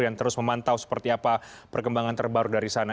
yang terus memantau seperti apa perkembangan terbaru dari sana